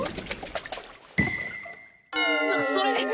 あっそれ！